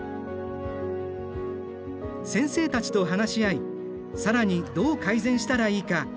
先生たちと話し合い更にどう改善したらいいか探っている。